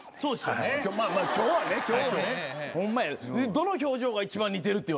どの表情が一番似てる？